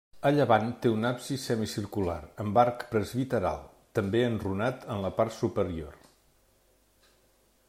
A llevant té un absis semicircular, amb arc presbiteral, també enrunat en la part superior.